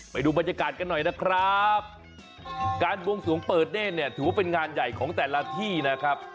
ไปดูบรรยากาศกันหน่อยนะครับการบวงสวงเปิดเนธเนี่ยถือว่าเป็นงานใหญ่ของแต่ละที่นะครับ